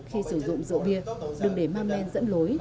khi sử dụng rượu bia đừng để mang lên dẫn lối